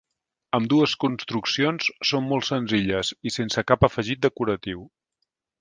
Ambdues construccions són molt senzilles i sense cap afegit decoratiu.